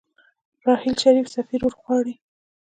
راحیل شريف سفير ورغواړي.